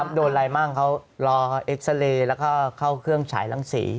ใช่ครับโดนอะไรบ้างเขารอเอ็กซาเลแล้วเข้าเครื่องฉายรังสี